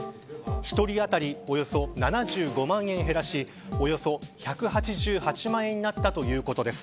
１人当たりおよそ７５万円減らしおよそ１８８万円になったということです。